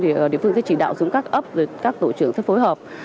thì địa phương sẽ chỉ đạo xuống các ấp rồi các tổ trưởng sẽ phối hợp